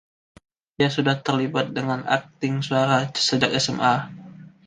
Ia sudah terlibat dengan akting suara sejak SMA.